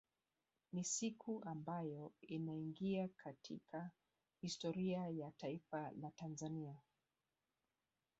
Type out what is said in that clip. Ni siku ambayo inaingia katika historia ya taifa la Tanzania